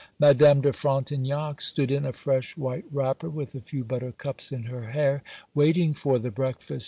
Madame de Frontignac stood in a fresh white wrapper, with a few buttercups in her hair, waiting for the breakfast.